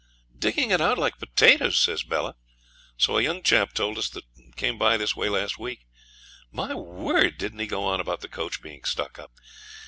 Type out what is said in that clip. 'Digging it out like potatoes,' says Bella; 'so a young chap told us that come this way last week. My word! didn't he go on about the coach being stuck up.